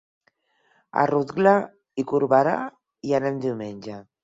A Rotglà i Corberà hi anem diumenge.